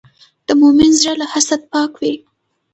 د مؤمن زړه له حسد پاک وي.